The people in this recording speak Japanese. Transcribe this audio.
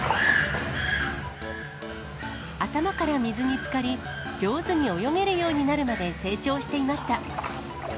頭から水につかり、上手に泳げるようになるまで成長していました。